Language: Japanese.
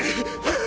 あっ！